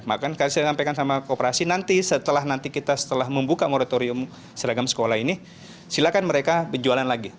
maka saya sampaikan kepada koperasi nanti setelah kita membuka moratorium seragam sekolah ini silakan mereka berjualan lagi